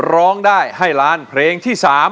ร้องได้ให้ล้านเพลงที่๓